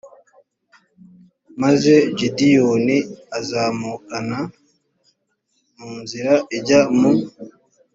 maze gideyoni azamukana mu nzira ijya mu